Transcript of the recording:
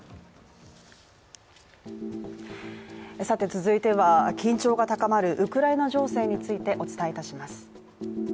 続いては、緊張が高まるウクライナ情勢についてお伝えいたします。